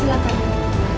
dia juga atauornnya